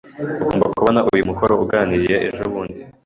Ugomba kubona uyu mukoro urangiye ejobundi.